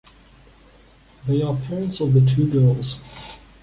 They are parents of two girls.